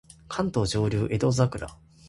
関東上流江戸桜